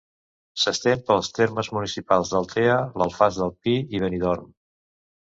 S'estén pels termes municipals d'Altea, l'Alfàs del Pi i Benidorm.